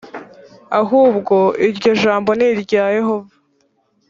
ahubwo iryo jambo ni irya yehova